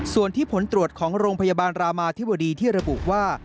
ส่วนที่ผลตรวจของโรงพยาบาลรามาธิบดีที่ระบุว่า